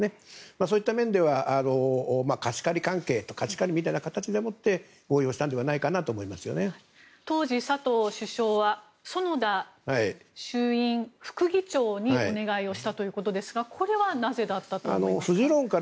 そういった面では貸し借りみたいな形でもって当時、佐藤首相は園田衆院副議長にお願いをしたということですがこれはなぜだったと思いますか。